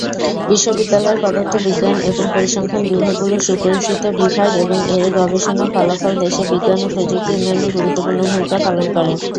বিশ্ববিদ্যালয়ের পদার্থবিজ্ঞান এবং পরিসংখ্যান বিভাগগুলো সুপরিচিত বিভাগ এবং এর গবেষণা ফলাফল দেশে বিজ্ঞান ও প্রযুক্তি উন্নয়নে গুরুত্বপূর্ণ ভূমিকা পালন করে।